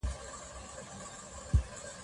که مسافرینو سره ښه چلند وسي، نو هغوی نه خفه کیږي.